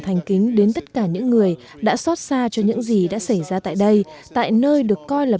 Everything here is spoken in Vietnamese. thành kính đến tất cả những người đã xót xa cho những gì đã xảy ra tại đây tại nơi được coi là